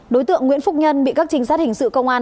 đối tượng nguyễn phúc nhân bị các trinh sát hình sự công an